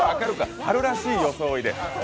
春らしい装いで。